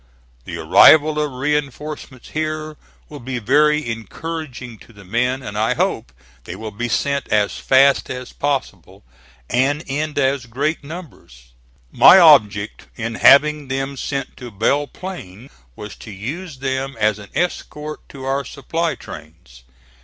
The arrival of reinforcements here will be very encouraging to the men, and I hope they will be sent as fast as possible, and in as great numbers. My object in having them sent to Belle Plain was to use them as an escort to our supply trains.